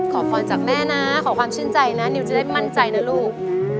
ขอพรจากแม่นะขอความชื่นใจนะนิวจะได้มั่นใจนะลูก